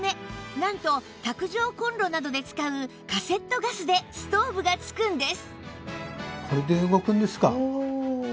なんと卓上コンロなどで使うカセットガスでストーブがつくんです